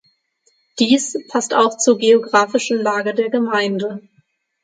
Dies passt auch zur geografischen Lage der Gemeinde.